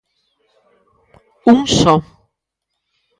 Un só.